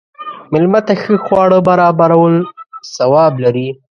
مېلمه ته ښه خواړه برابرول ثواب لري.